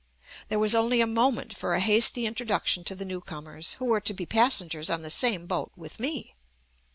There was only a moment for a hasty introduction to the newcomers, who JUST ME were to be passengers on the same boat with me.